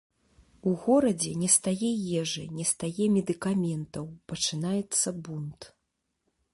У горадзе не стае ежы, не стае медыкаментаў, пачынаецца бунт.